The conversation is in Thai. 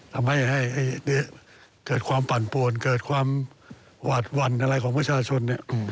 ทำให้เกิดความปั่นปวนเกิดความหวาดหวั่นอะไรของประชาชน